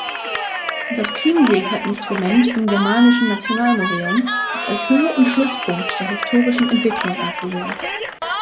Das Kynseker-Instrument im germanischen Nationalmuseum ist als Höhe- und Schlusspunkt der historischen Entwicklung anzusehen.